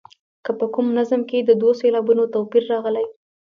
که په کوم نظم کې د دوو سېلابونو توپیر راغلی.